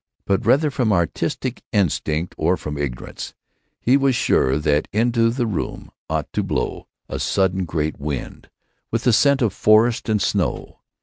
But, whether from artistic instinct or from ignorance, he was sure that into the room ought to blow a sudden great wind, with the scent of forest and snow.